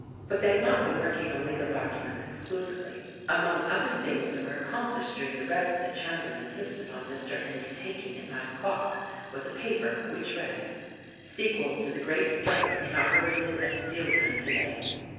But they had not been working on legal documents exclusively. Among other things that were accomplished during the rest that Chandler insisted on Mr. Endy taking at nine o'clock was a paper which read, "SEQUEL TO THE GREAT STRIKE INAUGURATED AT STEELr TON TODAY!